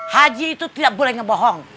haji itu tidak boleh ngebohong